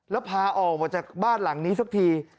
แล้วพาออกมาจากบ้านหลังนี้สักที